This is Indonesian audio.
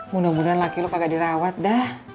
mudah mudahan laki lo kagak dirawat dah